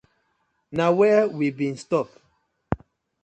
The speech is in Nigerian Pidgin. Na where we been stip?